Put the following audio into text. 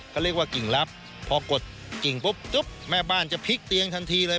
ก็เรียกว่ากิ่งลับพอกดกิ่งปุ๊บแม่บ้านจะพลิกเตียงทันทีเลย